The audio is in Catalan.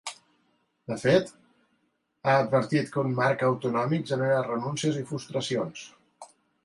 De fet, ha advertit que un marc autonòmic genera renúncies i frustracions.